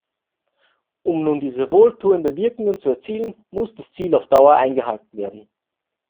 Um nun diese wohltuenden Wirkungen zu erzielen, muss das Ziel auf Dauer eingehalten werden.